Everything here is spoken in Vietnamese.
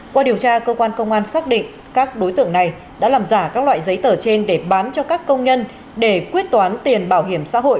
qua điều tra cơ quan công an xác định các đối tượng này đã làm giả các loại giấy tờ trên để bán cho các công nhân để quyết toán tiền bảo hiểm xã hội